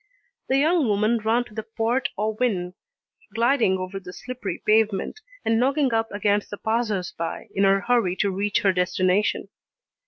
The young woman ran to the Port aux Vins, gliding over the slippery pavement, and knocking up against the passers by, in her hurry to reach her destination.